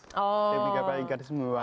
tapi gak balingkan semua